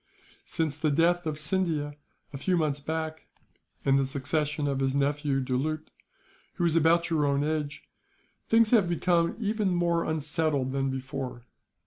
Since the death of Scindia, a few months back; and the succession of his nephew Doulut, who is about your own age; things have become even more unsettled than before.